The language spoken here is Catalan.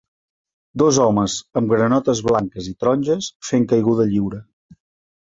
Dos homes amb granotes blanques i taronges fent caiguda lliure.